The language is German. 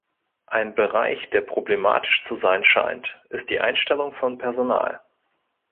Ein Bereich, der problematisch zu sein scheint, ist die Einstellung von Personal.